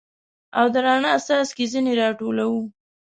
او د رڼا څاڅکي ځیني را ټولوو